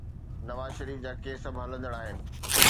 نواز شريف جا ڪيس به هلندڙ آهن.